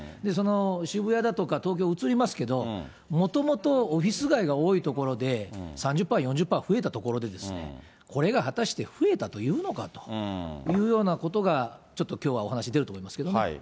渋谷だとか東京うつりますけど、もともとオフィス街が多い所で、３０パー、４０パー増えたところでですね、これが果たして増えたというのかというようなことが、ちょっときょうはお話出ると思いますけどね。